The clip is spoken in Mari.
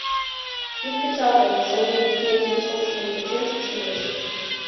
Ит кычалтыл, — Сылвий Викентийын шокшыжым кучен шупшылеш.